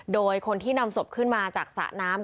โดยคนที่นำศพขึ้นมาจากสระน้ำ